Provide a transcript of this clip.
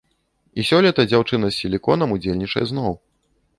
І сёлета дзяўчына з сіліконам удзельнічае зноў.